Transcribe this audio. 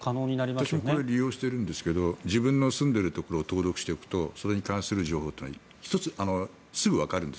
私もこれ利用しているんですが自分の住んでいるところを登録しておくとそれに関する情報がすぐわかるんです。